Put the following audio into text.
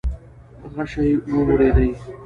غشې وورېدې.